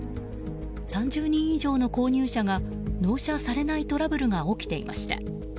３０人以上の購入者が納車されないトラブルが起きていました。